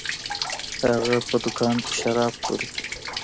هغه په دکان کي شراب پلوري.